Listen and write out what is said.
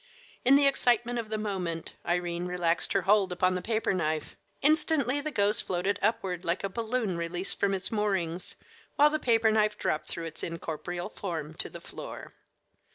In the excitement of the moment Irene relaxed her hold upon the paper knife. Instantly the ghost floated upward like a balloon released from its moorings, while the paper knife dropped through its incorporeal form to the floor.